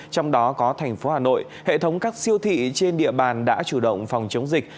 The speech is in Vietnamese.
trong đó có thành phố hà nội hệ thống các siêu thị trên địa bàn đã chủ động phòng chống dịch